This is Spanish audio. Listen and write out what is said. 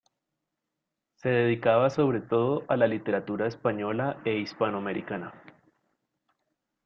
Se dedicaba sobre todo a la literatura española e hispanoamericana.